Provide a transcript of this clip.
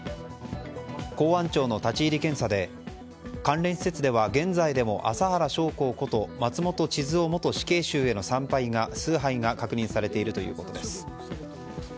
公安庁の立ち入り検査で関連施設では現在も麻原彰晃こと松本智津夫元死刑囚への崇拝が確認されているということです。